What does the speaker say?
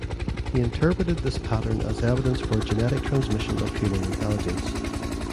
He interpreted this pattern as evidence for genetic transmission of human intelligence.